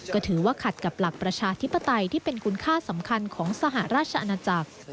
ก็ถือว่าขัดกับหลักประชาธิปไตยที่เป็นคุณค่าสำคัญของสหราชอาณาจักร